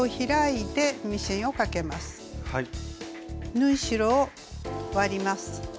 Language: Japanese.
縫い代を割ります。